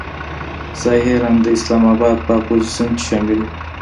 ظاهراً د اسلام آباد په اپوزیسیون کې شامل و.